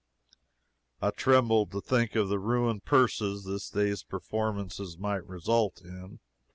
I trembled to think of the ruined purses this day's performances might result in.